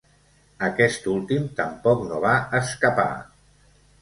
Aquest últim tampoc no va escapar.